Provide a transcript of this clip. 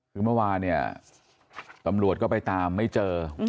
คือเมื่อวานเนี่ยตำรวจก็ไปตามไม่เจอ